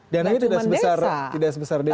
dan ini tidak sebesar desa